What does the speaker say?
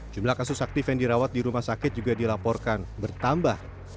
jumlah kasus aktif yang dirawat di rumah sakit juga dilaporkan bertambah